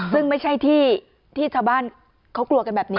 ซึ่งไม่ใช่ที่ที่ชาวบ้านเขากลัวกันแบบนี้